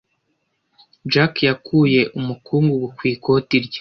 Jack yakuye umukungugu ku ikoti rye.